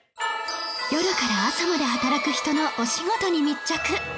夜から朝まで働く人のお仕事に密着